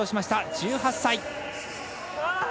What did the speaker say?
１８歳。